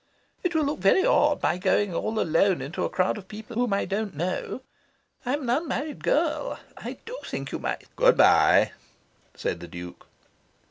"It will look very odd, my going all alone into a crowd of people whom I don't know. I'm an unmarried girl. I do think you might " "Good bye," said the Duke.